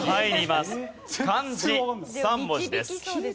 漢字３文字です。